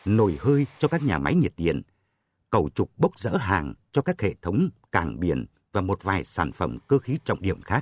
nồi hơi cho các nhà máy nhiệt điện cầu trục bốc rỡ hàng cho các hệ thống cảng biển và một vài sản phẩm cơ khí trọng điểm khác